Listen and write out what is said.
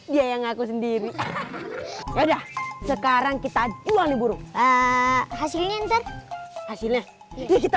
dia yang aku sendiri udah sekarang kita jual burung hasilnya ntar hasilnya kita